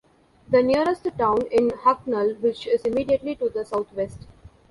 The nearest town is Hucknall which is immediately to the south-west.